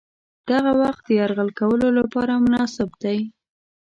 دغه وخت د یرغل کولو لپاره مناسب دی.